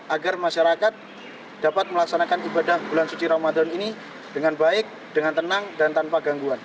agar masyarakat dapat melaksanakan ibadah bulan suci ramadan ini dengan baik dengan tenang dan tanpa gangguan